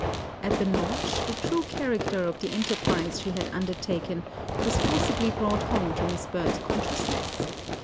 '" At the "Notch" the true character of the enterprise she had undertaken was forcibly brought home to Miss Bird's consciousness.